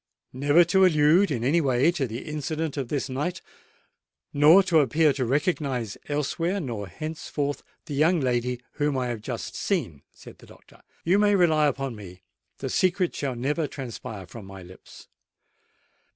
"Never to allude in any way to the incident of this night, nor to appear to recognise elsewhere nor henceforth the young lady whom I have just seen," said the doctor. "You may rely upon me: the secret shall never transpire from my lips."